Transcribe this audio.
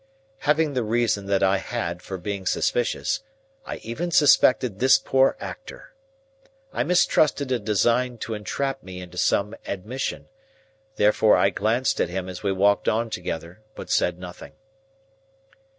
Having the reason that I had for being suspicious, I even suspected this poor actor. I mistrusted a design to entrap me into some admission. Therefore I glanced at him as we walked on together, but said nothing.